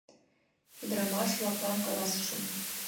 Ӱдырамаш-влаклан каласышым: